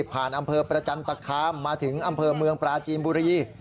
อำเภอประจันตคามมาถึงอำเภอเมืองปราจีนบุรี